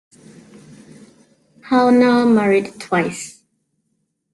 Pownall married twice.